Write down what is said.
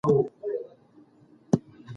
هغه سړی په تېر وخت کې ډېر بې رحمه و.